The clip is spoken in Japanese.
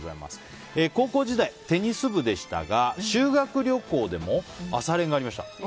高校時代、テニス部でしたが修学旅行でも朝練がありました。